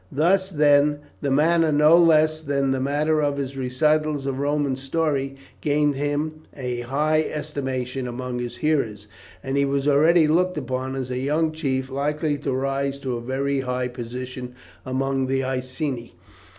Thus, then, the manner no less than the matter of his recitals of Roman story, gained him a high estimation among his hearers, and he was already looked upon as a young chief likely to rise to a very high position among the Iceni.